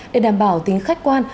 để đảm bảo tính khách quan